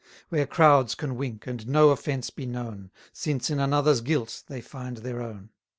Where crowds can wink, and no offence be known, Since in another's guilt they find their own!